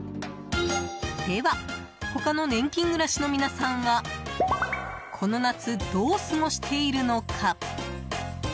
では、他の年金暮らしの皆さんはこの夏、どう過ごしているのか。